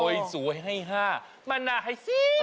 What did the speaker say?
โอ้ยสวยให้๕มันให้๑๐